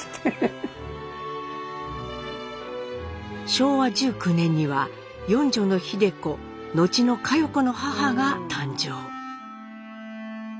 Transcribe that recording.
昭和１９年には４女の秀子後の佳代子の母が誕生。